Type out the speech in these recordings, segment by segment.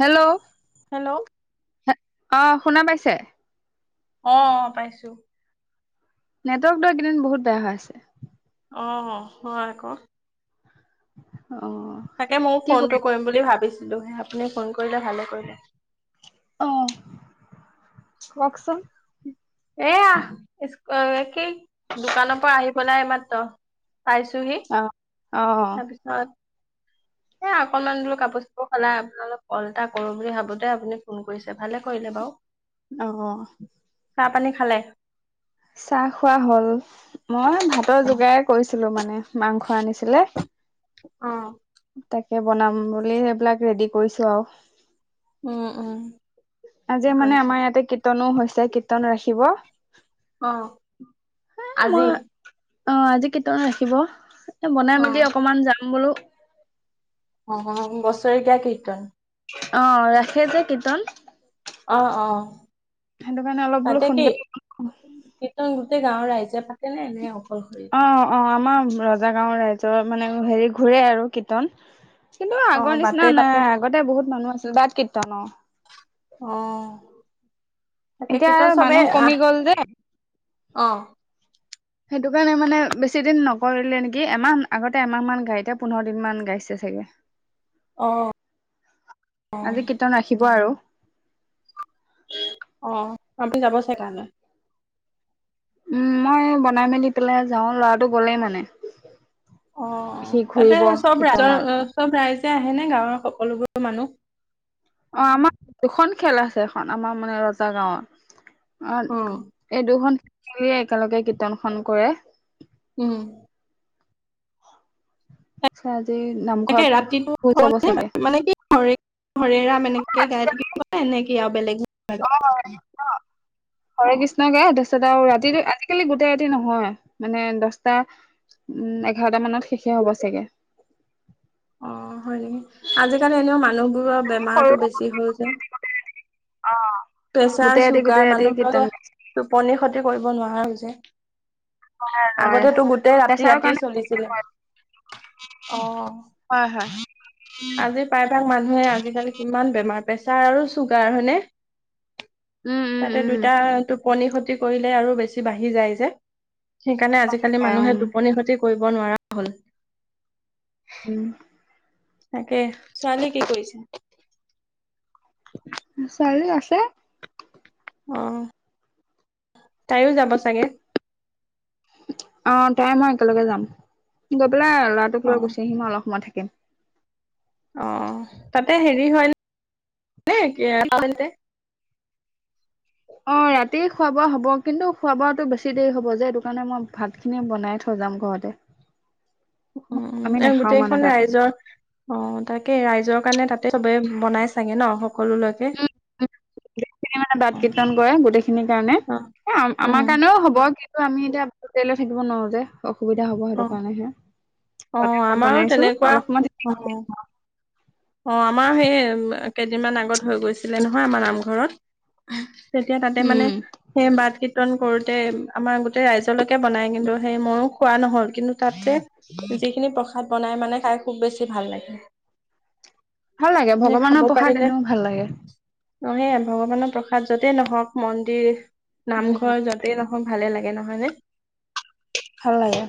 Hello hello হে অ' শুনা পাইছে? অ' পাইছো। নেটৱৰ্কটো এইকেইদিন বহুত বেয়া হৈ আছে। অ' হয় আকৌ। অ তাকে ময়ো কি কৰি ফোনটো কৰিম বুলি ভাবিছো লোহে আপুনি ফোন ক কৰিলে ভালে কৰিলে। কওঁকচোন। এয়ােখি [unintelligible] দোকানৰ পৰা আহি গ'লা এই মাত্ৰ। পাইছোহি, অ অ তাৰপিছত এ অকনমান বোলো কাপোৰ চাপোৰ সলাই আপোনালে অলপ ক'ল এটা কৰো বুলি ভাবোতে আপুনি ফোন কৰিছে, ভালে কৰিলে বাৰু। অ' অ' চাহ পানী খালে? চাহ খোৱা হ'ল। মই ভাতৰ যোগাৰেই কৰিছিলো মানে, মাংস আনিছিলে। অ'। তাকে বনাম বুলি এইবিলাক ৰে'ডি কৰিছো আৰু। উম উম। আজি কি মানে কৰিছে আমাৰ ইয়াতে কীৰ্ত্তনো হৈছে, কীৰ্তন ৰাখিব। অ' এ আজি মই অ আজি কীৰ্তন ৰাখিব? এ বনাই অ মেলি অকমান যাম বোলো। [unintelligible] অ' বছৰিকীয়া কীৰ্তন অ' ৰাখে যে কীৰ্তন অ' অ' সেইটো কাৰণে অলপ বোলো তাতে কি সোনকালে কীৰ্তন গোটেই- গাওঁৰ ৰাইজে- নে, এনেই অকলশৰী- অ অ আমাৰ ৰজা গাঁও ৰাইজৰ মানে হেৰি ঘূৰে আৰু কীৰ্তন, কিন্তু অ আগৰ বাতে নিচিনা নাই পাতে আগতে বহুত মানুহ আছিল। বাট কীৰ্তন অ'। অঁহ! এতিয়া মানুহ কমি গ'ল যে, অ' সেইটো কাৰণে মানে বেছি দিন নকৰিলে নেকি এমাহ, আগতে এমাহ মান গাই এতিয়া পোন্ধৰ দিন মান গাইছে চাগে। আজি কীৰ্তন ৰাখিব আৰু অ'। [unintelligible] উম, মই বনাই মেলি পেলাই যাও ল'ৰাটো গলেই মানে, সি অ', তাতে ঘূৰিব চব ৰাই জৰ কীৰ্তনত চব ৰাইজ, আহে নে গাঁৱৰ সকলোবোৰ মানুহ? অ', আমা দুখন খেল আছে এখন আমাৰ মানে ৰজা গাঁৱত। অ', উম এই দুখন- য়ে একেলগে কীৰ্তনখন কৰে। উম। [unintelligible] ই তাকে নামঘৰত ৰাতিটো [unintelligible] চাব হবনে চাগে। [unintelligible] এনেকে গাই আজিকালি থাকিবা নে- [unintelligible] অ', হৰে কৃষ্ণ, অ হৰে কৃষ্ণ কে তাৰপিছত আৰু ৰাতিটো আজিকালি গোটেই ৰাতি নহয় মানে দশটা উ এঘাৰটা মানত শেষে হ'ব চাগে। অ', হয় নেকি আজিকালি এনেও মানুহ- বোৰৰ সৰু বেমাৰতটো বেছি হল যে, অ প্ৰেচাৰ, গোটেই ৰাতি চুগাৰ গোটেই ৰাতি কীৰ্তন মানুহবোৰে গাই টোপনি ক্ষতি কৰিব নোৱাৰা হৈছে। যে নোৱাৰে আগতেতো গোটেই ৰাতি, প্ৰেছাৰৰ ৰাতি কাৰণে চলিছিলে। অ' হয় হয় আজি প্ৰায়ভাগ মানুহে আজিকালি কিমান বেমাৰ প্ৰেচাৰ আৰু চুগাৰ হয়নে। উম উম তাতে দুটা আৰু এইটো টোপনি ক্ষতি কৰিলে আৰু বেছি বাঢ়ি যায় যে। সেইকাৰণে আজিকালি মানুহে উম টোপনি ক্ষতি কৰিব কৰিব নোৱাৰ হ'ল। উম। তাকে ছোৱালী কি কৰিছে? ছোৱালী আছে। অ', তাইও যাব চাগে? অ' তাই মই একেলগে যাম। এইালে'ৰাটোক অ লৈ গুি আহিম অলপ সময় থাকে [inaudible] িক [inaudible] অ' তাতে হেৰি হয় ন। অ' ৰাতিয় খোৱা - বোৱা হ'ব কিন্তু খোৱা- বোৱাটো বেছি দেৰি হ'ব যে এইটো কাৰণে মই ভাত খিনি বনাই থৈ যাম ঘৰতে। উম উম, আমি এ নাখাও মানে গোটেইখন তাত ৰাইজৰ অ তাকে ৰাইজ ৰাইজৰ কাৰণে তাতে সবে বনাই চাগে ন? সকলোলৈকে উম মানে বাট অ কীৰ্তন কৰে গোটেইখিনি কাৰণে অ আমাৰ উম কাৰণেও হ'ব [inaudible] আমি এতিয়া থাকিব নোৱাৰো যে। [inaudible] অসুবিধা হ'ব অ সেইটো কাৰণেহে অ ব পাত আমাৰো বনাইছো তেনেকুৱা অলপমান অ অ আমাৰ সেই কেইদিনমান আগত হৈ গৈছিলে নহয় আমাৰ নামঘৰত- তেতিয়া তাতে মানে উম সেই বাট কীৰ্তন কৰ আমাৰ গোটেই ৰাইজলৈকে বনাই কিন্তু সেই ময়ো খোৱা নহল কিন্তু তাতে যিখিনি প্ৰসাদ বনাই মানে খাই খুব বেছি ভাল লাগে, ভাল লাগে সেই ভগৱানৰ পসাদ এনেও ভাল লাগে। নে ভগৱানৰ প্ৰসাদ যতেই নহওক মন্দিৰ, উম নামঘৰ যাতেই নহয়, ভালে লাগে নহয় ন! ভাল লাগে,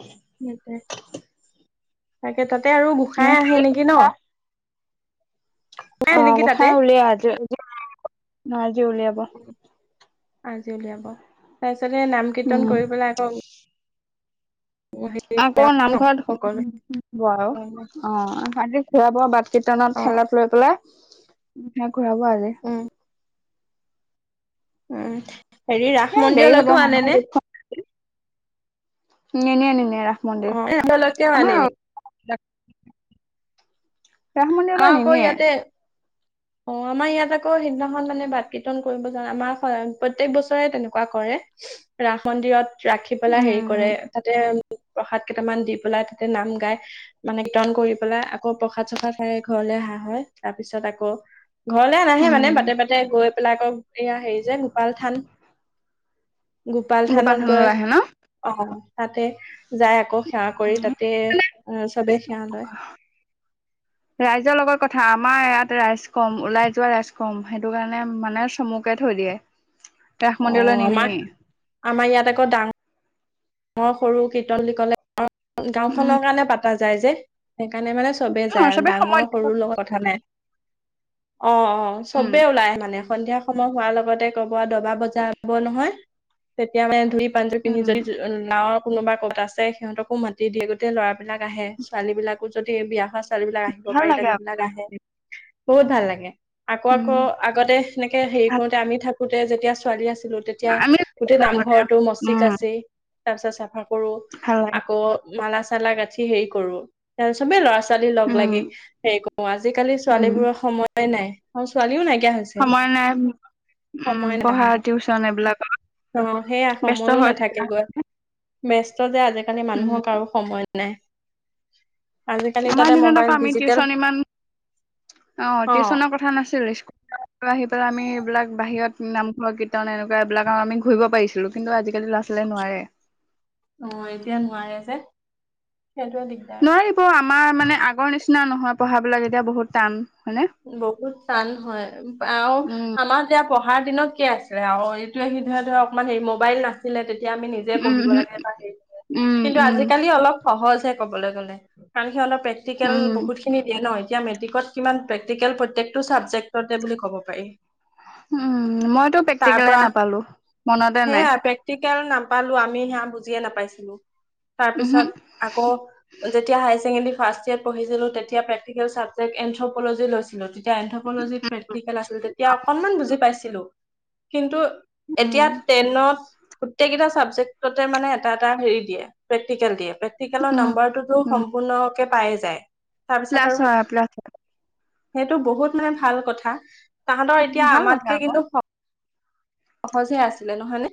তাকে তাত তাতে আৰু গোঁসাই আহে নেকি ন? গোসাঁই অ আহে নেকি তাতে গসাই উলিয় আজি মজি উলিয়াব উ আজি উলিয়াব তাৰ পিছতে নাম কীৰ্তন উম কৰি পেলাই আক আকৌ নামঘৰত শুম সকলোৱে [unintelligible] ব আৰু অজি খোৱ বোৱা বাক কীৰ্তনত অ খঠেলত লৈ পেলাই উাক [unintelligible] ঘূৰাব আজি। উম উম। হেৰি ৰাস এ দেৰি হ'ব মন্দিৰলৈকেও মানুহ আনেনে? নে নে নে নে অ', [unintelligible] লৈকেও আনে নি? ৰাস আমাৰ মন্দিৰলৈ আকৌ নিনিয়ে। ইয়াতে অ', আমাৰ ইয়াত আকৌ সিদিনাখন মানে বাত কীৰ্তন কৰিব যাওঁ, আমাৰ প্ৰত্যেক বছৰে তেনেকুৱা কৰে, ৰাস মন্দিৰত ৰাখি পেলাই হেৰি উম কৰে তাতে বুট প্ৰসাদ কেইটামান দি পেলাই তাতে নাম গাই মানে কীৰ্তন কৰি পেলাই আকৌ প্ৰসাদ চসাদ চাই ঘৰলৈ অহা হয় তাৰ পিছত আকৌ। ঘৰলে উম নাহে মানে উম বাটে বাটে গৈ প্লাকক এয়া হেৰি যে গোপাল থান। গোপাল থানত থানলৈ গছ আহে ন অ'। তাতে যায় আকৌ সেৱা কৰি তাতে চবে সেৱা লয়। ৰাইজৰ লগত কথা আমাৰ ইয়াতে ৰাইজ কম, ওলাই যোৱা ৰাইজ কম, সেইটো কাৰণে মানে চমুকে থৈ দিয়ে। ৰাস মন্দিৰলৈ অ', আমাক নিনিয়ে আমাৰ ইয়াত আকৌ ডাঙ মোৰ সৰু কীৰ্তন বুলি ক'লে উম গাঁওখনৰ কাৰণে পাত তা যায় যে। সেইকাৰণে মানে চবে অ যায় আৰু চবে সময় ডাঙৰ সৰু লগত কথা নাই। অ' অ' উম চবে ওলাই মানে সন্ধিয়া? সময় হোৱাৰ লগতে কম দবা বজাব নহয় তেতিয়া মানে ধূপ পে পিনি উম [unintelligible] গাঁওৰ কোনোবা ক'ত আছে সিহঁতকো মাতি দিয়ে। গোটেই ল'ৰাবিলাক আহে ছোৱালী বিলাকো যদি বিয়া সাজ ছোৱালী বিলাক আহিব ভাল পাৰে তাক লাগে আকৌ সেইবিলাক আহে। বহুত ভাল লাগে। আকৌ উম আকৌ আগতে এনেকে হেৰি ভাল কৰোঁতে আমি থাকো আগতে যেতিয়া ছোৱালী আছ আছিলো তেতিয়া আমি গোটেই নামঘৰটো মচি উম কাচি তাৰপিছত চাফা কৰো ভাল লাগে আকৌ মালা মালা গাঠি হেৰি কৰো তাৰ পিছত চবেই ল'ৰা। ছোৱালী লগ উম লাগি হেৰি কৰোঁ আজিকালি উম ছোৱালীবোৰৰ সময়ে নাই। অঁ ছোৱালীও নাইকীয়া। সময় নাই উম নাই পঢ়া তাহাঁতৰ টিউচন এইবিলাকত অ ব্যস্ত হৈ। মেষ্ট দে আজায় সেইকাৰণে উম মানুহক কাৰো সময় নাই। [inaudible] আমাৰ তাতে দিনত আকৌ মোবাইল আমি ডিজিটেল টিউচন ইমান অ, অ টিউচনৰ কথা নাছিলো স্কুল আহি পেলাই আমি বিলাক বাহিৰত নামঘৰ কীৰ্তন এনেকুৱা এইবিলাক আৰু আমি ঘূৰি পাৰিছিলো কিন্তু, আজি অঁ এতিয়া নোৱাৰে যে, সেইটোৱে দিগদাৰ নোৱাৰিব আমাৰ মানে আগৰ নিচ না নহয় পঢ়াবিলাক এতিয়া বহুত টান হয়নে বহুত টান হয়, আৰু উম আমাৰ যেত পঢ়াৰ দিনত কি আছিলে, আৰু এইটোে সি ধৰি ধৰ অকমান হেৰি মোবাইল নাছিলে তেত তেতিয়া আমি নিজে উম পঢ়িব হম লাগে, [unintelligible] উম কিন্তু উম আজিকালি অলপ সহজ ক'বলৈ গ'লে কাৰণ সি অলপ প্ৰেক্টিকেল উম বহুতখিনি দিয়ে ন এতিয়া মেট্ৰিকত কিমান প্ৰেকটিকেল প্ৰত্যেকটো চাবজেক্টতে বুলি ক'ব পাৰি। উম মইতো তাৰ প্ৰেক্টিকলে পৰা নাপালো মনতে নাই, সেয়া প্ৰেক্টিকেল নাপালো আমি সেয়া বুজিয়ে নাপাইছিলো। উহো তাৰপিছত আকৌ যেতিয়া হায় ছেকেণ্ডাৰী ফাৰ্ষ্ট ইয়েৰ পঢ়িছিলো তেতিয়া প্ৰেক্টিকেল চাবজেক্ট এনথব কলৈ যে লৈছিলো তেত তিয়া এন্থপলজিত প্ৰেক্টিকেল আছিল তেতিয়া অকণমান বুজি পাইছ কিন্তু উম এতিয়া ট্ৰেইনত গোটেইকেইটা ছাবজেক্টতে মানে এটা এটা হেৰি দিয়ে প্ৰেক্টিকেল দিয়ে প্ৰেক্টিকৰ উম নাম্বাৰটোতো উম সম্পূৰ্ণ কে পায় যায় তাৰপিছত প্লাছ আৰু হয়, প্লাছ হয়। সেইটো বহুত মানে ভাল কথা তাহাতৰ এতিয়া ভাল কথা আমাতকে আকৌ কিন্তু সপ সহজহে আছিলে নহয় নে?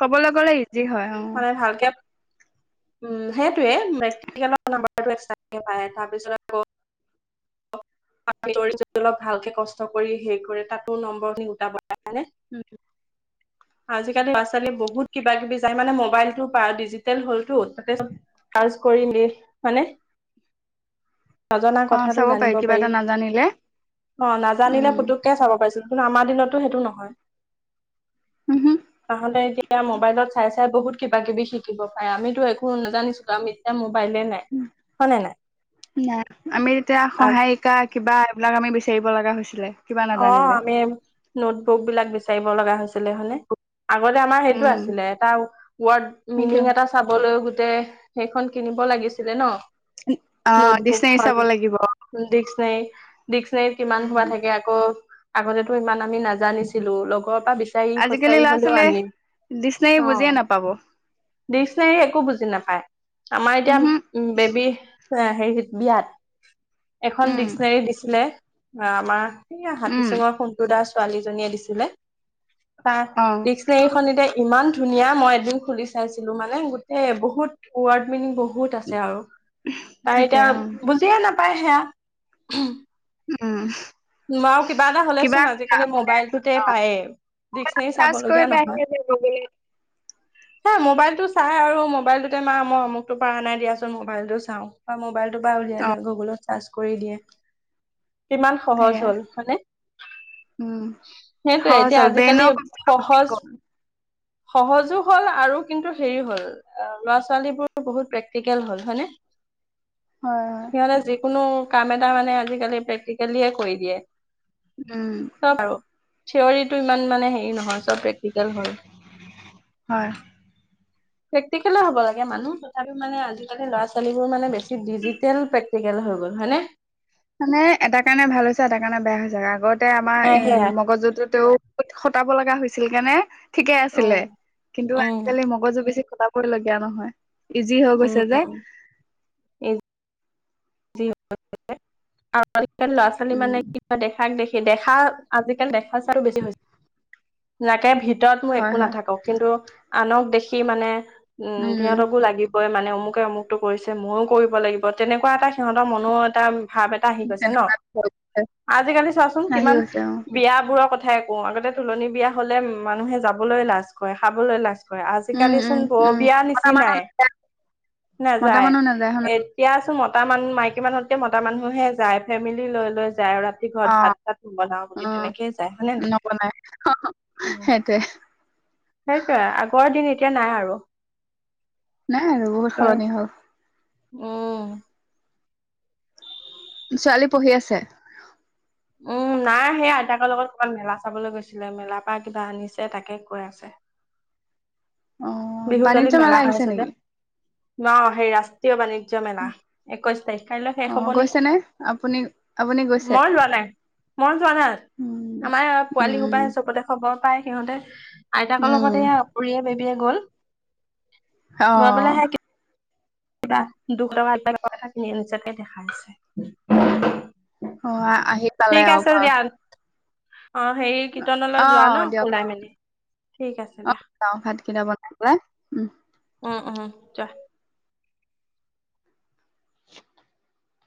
ক'বলৈ গ'লে ইজি হয়, অ মানে ভালকে উম সেই সেইটোৱে মেডিকেল নম্বৰটো [unintelligible] অল ভালকে কষ্ট কৰি হেৰি কৰে তাতো নম্বৰখিনি উঠ ব উম আজিকালি ল'ৰা ছালী বহুত কিবা কিবি যায় মানে মবাইলটো প ডিজিটেল হ'লটো তাতে চাৰজ কৰি মানে। নজনা অ কথাটো চাব পাৰি জানিব। কিবা এটা নাজানিলে অ উম নাজানিলে পুতুককে চাব পাৰি। কিন্তু আমাৰ দিনতো সেইটো নহয় উহো তাহতে এতিয়া মোবাইলত চাই চাই বহুত কিবা কিবি শিকিব পাৰে আমিতো একো নাজানিছিলো আমি এতিয়া মোবাইলে নাই হয় নে নাই আমি এতিয়া নাই সহায়িকা কিবা বা এইবিলাক আমি বিচাৰিব লগা হৈছিলে কিবা অ নাজানিলে। আমিম নোট বুক বিলাক বিচাৰিব লগা হৈছিলে হয়নে। আগতে আমাৰ সেইটো উম আছিলে এটা ৱৰ্ড মিনিং এটা চাবলৈও গোটেই সেইখন কিনিব লাগিছিলে ন অ ডিচ নৰি চাব লাগিব যাই ডিক্সনেৰী কিমান হোৱা থাকে আৰু আগতেতো ইমান আমি নাজানিছিলো লগ পৰা বিচাৰি আজিকালি সুচাৰি ল'ৰা হলেও ছোৱালীয়ে আনি ডিচনেৰী অ বুজিয়ে নাপাব ডিক্চনোৰী একো বুজি নাপায় আমাৰ এতিয়া উমহু উ বেবী অ হেৰি বিয়াত এখন উম ডিক্চনেৰী দিছিলে আম এয়া হাতী উম চুঙৰ সোনন্তু দাস ছোৱালীজনীয়ে দিছিলে ত অ বিনে এইখন এতি ইমান ধুনীয়া মই এদিন খুলি চাইছিলো মানে গোটেই বহুত উৰ্ড মিনিং বহুত বহুত আছে আৰু তাই থাকে এতিয়া অ বুজিয়ে নাপ পাইহে। উম। কিবা এটা কিবা হ'লেচোন আজিকালি মানে মোবাইলটোতে অ পায়েই ডিক্সনেৰী চাব চাৰ্চ লগীয়া কৰিলে আহি নহয়। গুগলত হে মোবাইলতটো চাই আৰু মোবাইলটোতে মা মই অমকতটো পৰা নাই দিয়াচোন মোবাইলতটো চাও বা মোবাইল। অ [inaudible] কৰি দিয়ে। সহজ সেয়াই হ'ল হয়নে উম সেইটোয়ে সহজ এতিয়া হ'ল আজিকালি ব্ৰেইনৰ কষ্টটো কমি সহজ। গ'ল সহজো হ'ল আৰু কিন্তু হেৰি হ'ল ল'ৰা ছোৱালীবোৰ বহুত প্ৰেক্টিকেল হ'ল হয়নে। হয় হয় সিহঁতে যিকোনো। কাম এটা মানে আজিকালি প্ৰেকটিকেলি। কৰি দিয়ে উম। থিৱৰিটো ই মানে হে নহয় চব প্ৰেক্টিক হয়। হয় প্ৰেক্টিকেল হব লাগে মানুহ তাপাল ল'ৰা ছোৱালী বোৰ মানে বেছিকৈ মানে এটা কাৰণে ভাল হৈছে এটা কাৰণে বেয়া হৈছে আগত। আমাৰ এ মগজুতু টো খটাব লগা হৈছে আছিল কেনেে ঠিকে আছিলে উম, কিন্তু উম, আজিকালি মগজু বেছি ক কৈ লগীয়া নহয়। ইজি হৈ উম। গৈছে যে। [inaudible] ল'ৰা ছোৱালী উম মানে কিবা দেখাক দেখ স দেখা আজিকালি দেখা চাৰ বেছি হৈ হৈছে নাকে ভিত ভিতৰত মই হয় একো হয় নাথাকো কিন্তু। আনক দেখি মানে উম সিহঁতকো লাগিব। কৈ মানে অমুকে অমুকতটো কৰিছে ময়ো কৰিব লাগিব তেনেকুৱা এটা সিহতৰ মনৰ এটা। ভাব এটা আহি গৈছে ন তেনেকুৱা আজিকালি চোৱাচোন আহি কিমান গৈছে অ বিয় বোৰৰ কথা। একো আগতে তোলনি বিয়া হলে মানুহে যাবলৈ লাজ কৰে খাবলৈ লাজ উম আজিকালি উম চোন বৰ উম বিয়া মতা মানুহ নিচিনাই নাযায় মতা নাযায় মানুহ নাযায় হয় এতিয়া চোন মতা মান মাইকী মানুত এতিয়া মতা মানুহে যায় ফেমিলি লৈ লৈ যা আৰু ৰাতি অ ঘৰত ভাত ভাত অ বনাওতেই উম, তেনেকেই যায় হয়নে নাই? নবনাই সেইটোৱে। সেইটোৱে আগৰ দিন এতিয়া নাই আৰু। নাই আৰু বহুত সলনি হল। উম। ছোৱালী পঢ়ি আছে? উম নাই সেই আইতাকৰ লগত ক'ৰবাত মেলা চাবলে গৈছিলে মেলাৰ পৰা কিবা আনিছে তাকে কৈ আছে। অ বাণিজ্য বিহুতলিত মেলা হৈ আহিছে আছে যে নেকি? ন সেই, ৰাষ্ট্ৰীয় বাণি ৰ্য্য মেলা একৈশ তাৰিখ, কাইলৈ শেষ অ হ'ব নেকি? গৈছেনে আপুনি আপুনি গৈছে মই যোৱা নাই, মই যোৱা নাই উম, আমাৰ পোৱালি সোপাই উম, চবতে খবৰ- পায় সিহঁতে- আইতাকৰ লগত উম, এইয়া [unintelligible] পিয়ে গ'ল। অহ। শুনা দুখ লগা [unintelligible] নিজাকে দেখাইছে। অ আহি ঠিক পালে আৰু আছে ঘৰ। দিয়া অ' হেৰি কীৰ্তনলৈ যোৱা ন অ', দিয়ক ওলাই মেলি? ঠিক আছে অ দিয়া ভাত কেইটা ব [unintelligible] উম উম, যোৱা।